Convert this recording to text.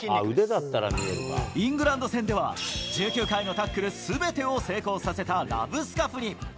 イングランド戦では、１９回のタックルすべてを成功させたラブスカフニ。